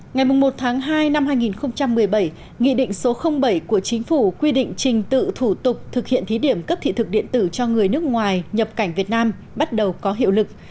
ngày một tháng hai năm hai nghìn một mươi bảy nghị định số bảy của chính phủ quy định trình tự thủ tục thực hiện thí điểm cấp thị thực điện tử cho người nước ngoài nhập cảnh việt nam bắt đầu có hiệu lực